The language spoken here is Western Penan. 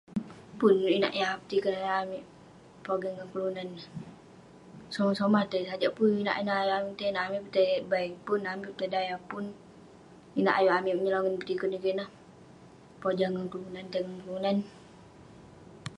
Pun inak yah petikern ayuk amik pogeng ngan kelunan neh..somah somah tai, sajak pun inak ineh ayuk amik tai neh..amik tai bai pun, amik tai dayah pun.. inak ayuk nyelongen petikern ineh, pojah ngan kelunan..tai ngan kelunan..